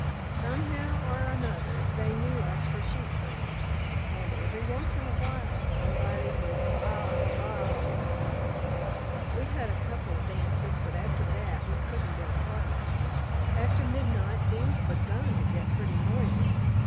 "Somehow or another they knew us for sheep herders, and every once in a while somebody would baa baa at us. We had a couple of dances, but after that we couldn't get a pardner. After midnight things begun to get pretty noisy.